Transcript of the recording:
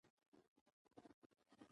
پانګوال د تولیدي وسایلو مالکان وي.